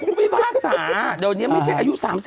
ผู้พิพากษาวันนี้ไม่ใช่อายุ๓๐